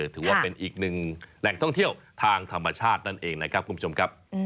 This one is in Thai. ถือว่าเป็นอีกหนึ่งแหล่งท่องเที่ยวทางธรรมชาตินั่นเองนะครับคุณผู้ชมครับ